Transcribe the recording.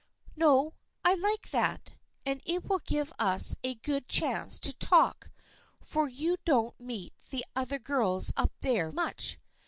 " No, I like that, and it will give us a good chance to talk, for you don't meet the other girls up there much.